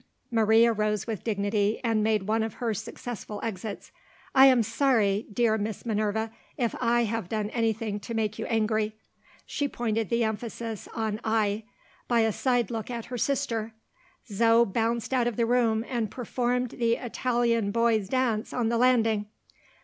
Maria rose with dignity, and made one of her successful exits. "I am sorry, dear Miss Minerva, if I have done anything to make you angry." She pointed the emphasis on "I," by a side look at her sister. Zo bounced out of the room, and performed the Italian boy's dance on the landing.